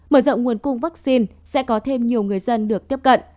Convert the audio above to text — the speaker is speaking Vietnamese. mở rộng nguồn cung vaccine sẽ có thêm nhiều người dân được tiếp cận